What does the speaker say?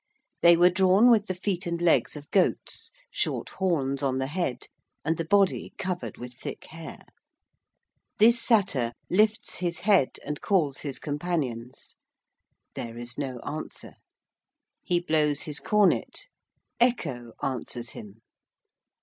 They were drawn with the feet and legs of goats, short horns on the head, and the body covered with thick hair. This Satyr lifts his head and calls his companions. There is no answer. He blows his cornet. Echo answers him.